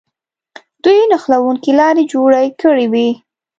دوی نښلوونکې لارې جوړې کړې وې.